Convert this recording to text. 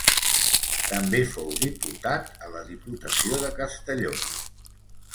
També fou diputat a la Diputació de Castelló.